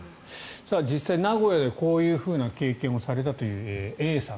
実際名古屋でこういう経験をされたというＡさん